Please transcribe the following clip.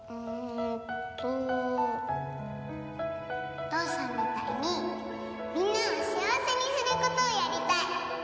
お父さんみたいにみんなを幸せにすることをやりたい。